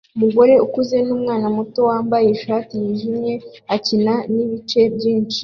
Umugore ukuze numwana muto wambaye ishati yijimye akina nibice byinshi